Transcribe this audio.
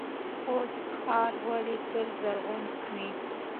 خوست ښار ولې تل زرغون وي؟